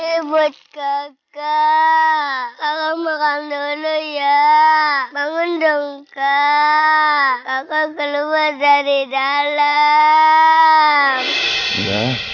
ibu keke kalau makan dulu ya bangun dong kak kakak keluar dari dalam